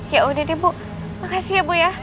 ya udah deh bu makasih ya bu ya